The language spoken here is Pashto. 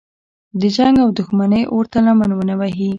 د جنګ او دښمنۍ اور ته لمن ونه وهي.